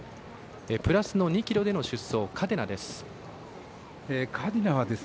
プラスの２ｋｇでの出走カデナです。